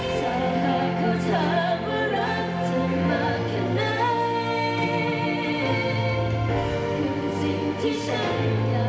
ทรงพลังอย่างอ๊อฟปองศักดิ์และสองสาวดิวด้วย